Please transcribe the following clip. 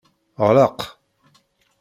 Ɣleq!